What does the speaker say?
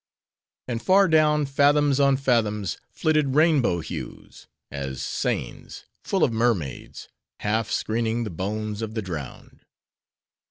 And far down, fathoms on fathoms, flitted rainbow hues:—as seines full of mermaids; half screening the bones of the drowned.